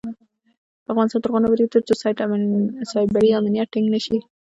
افغانستان تر هغو نه ابادیږي، ترڅو سایبري امنیت ټینګ نشي.